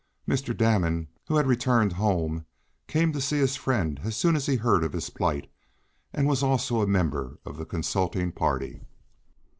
Mr. Damon, who had returned home, came to see his friend as soon as he heard of his plight, and was also a member of the consulting party.